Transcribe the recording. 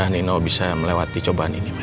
nino bisa melewati cobaan ini